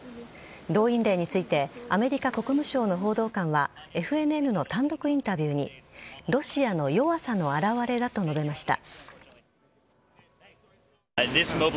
動員令についてアメリカ国務省の報道官はＦＮＮの単独インタビューにロシアの弱さの表れだと述べました。